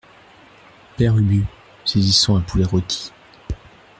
Père Ubu , saisissant un poulet rôti.